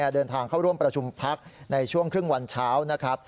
เดินทางเข้าร่วมประชุมภักดิ์ในช่วงครึ่งวันเช้า